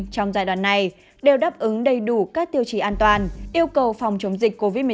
trong giai đoạn này đều đáp ứng đầy đủ các tiêu chí an toàn yêu cầu phòng chống dịch covid một mươi chín